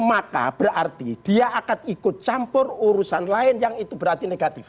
maka berarti dia akan ikut campur urusan lain yang itu berarti negatif